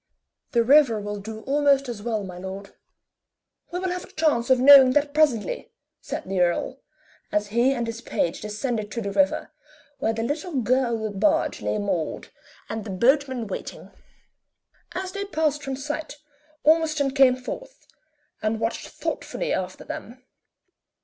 "The river will do almost as well, my lord." "We will have a chance of knowing that presently," said the earl, as he and his page descended to the river, where the little gilded barge lay moored, and the boatman waiting. As they passed from sight Ormiston came forth, and watched thoughtfully after them.